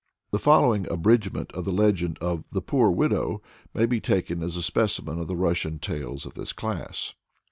The following abridgment of the legend of "The Poor Widow," may be taken as a specimen of the Russian tales of this class.